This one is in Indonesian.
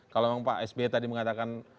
kalau memang pak s b tadi mengatakan